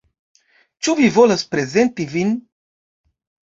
Ĉu vi volas prezenti vin